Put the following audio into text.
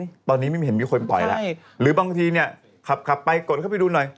ตอนนี้ไม่เห็นมีคนปล่อยแล้วหรือบางทีเนี่ยขับขับไปกดเข้าไปดูหน่อย